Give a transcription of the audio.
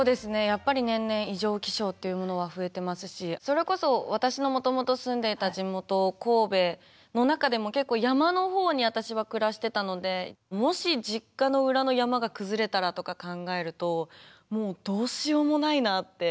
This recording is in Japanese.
やっぱり年々異常気象っていうものは増えてますしそれこそ私のもともと住んでいた地元神戸の中でも結構山の方に私は暮らしてたのでもし実家の裏の山が崩れたらとか考えるともうどうしようもないなって。